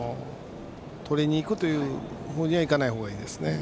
とりにいくというふうにはいかないほうがいいと思います。